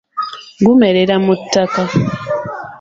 Gumerera mu ttaka.